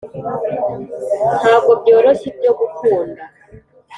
ntabwo byoroshye ibyo gukunda